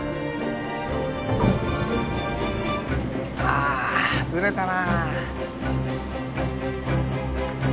ああずれたなぁ。